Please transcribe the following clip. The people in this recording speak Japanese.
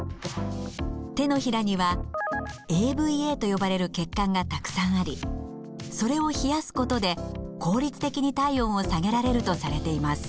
手のひらにはＡＶＡと呼ばれる血管がたくさんありそれを冷やすことで効率的に体温を下げられるとされています。